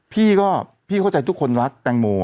พี่ก็พี่เข้าใจทุกคนรักแตงโม